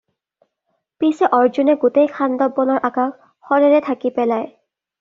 পিছে অৰ্জুনে গোটেই খাণ্ডৱ বনৰ আকাশ শৰেৰে ঢাকি পেলাই।